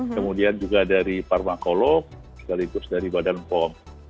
kemudian juga dari parmakolog sekaligus dari badan pom